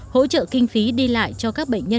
hỗ trợ kinh phí đi lại cho các bệnh nhân